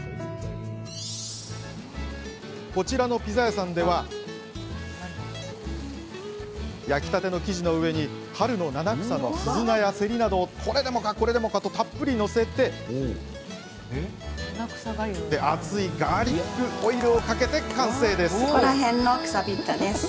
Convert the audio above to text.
こちらのピザ屋さんでは焼きたての生地の上に春の七草のすずなや、せりなどをこれでもかと、たっぷり載せて熱いガーリックオイルをかけて完成。